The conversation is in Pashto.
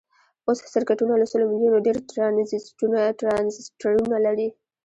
اوس سرکټونه له سلو میلیونو ډیر ټرانزیسټرونه لري.